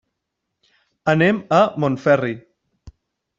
Anem a Montferri.